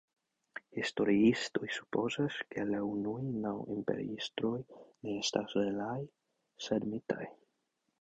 Historiistoj supozas, ke la unuaj naŭ imperiestroj ne estas realaj, sed mitaj.